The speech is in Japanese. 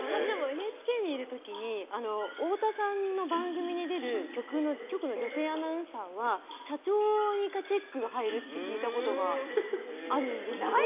ＮＨＫにいる時に太田さんの番組に出る局の女性アナウンサーは社長から１回チェックが入るって聞いたことがあるんです。